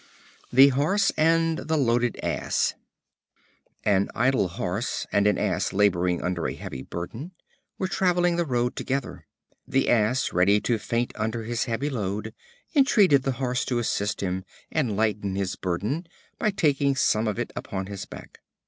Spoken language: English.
The Horse and the Loaded Ass. An idle Horse, and an Ass laboring under a heavy burden, were traveling the road together. The Ass, ready to faint under his heavy load, entreated the Horse to assist him, and lighten his burden, by taking some of it upon his back.